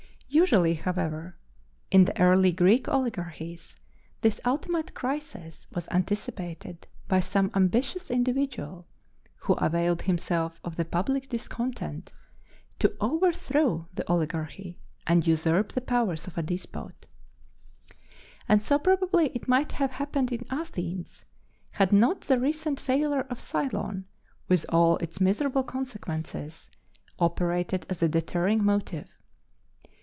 Usually, however, in the early Greek oligarchies, this ultimate crisis was anticipated by some ambitious individual, who availed himself of the public discontent to overthrow the oligarchy and usurp the powers of a despot. And so probably it might have happened in Athens, had not the recent failure of Cylon, with all its miserable consequences, operated as a deterring motive.